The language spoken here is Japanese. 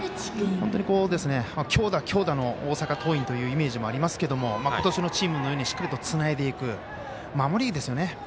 本当に強打、強打の大阪桐蔭というイメージもありますけどもことしのチームのようにしっかりとつないでいく守りですよね。